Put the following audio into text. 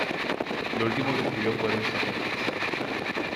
Lo último que escribió fueron sonetos.